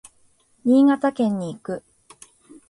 新潟県に行く。